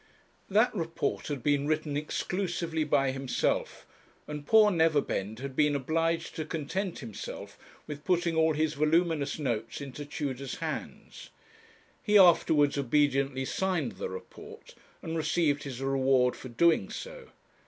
That report had been written exclusively by himself, and poor Neverbend had been obliged to content himself with putting all his voluminous notes into Tudor's hands. He afterwards obediently signed the report, and received his reward for doing so.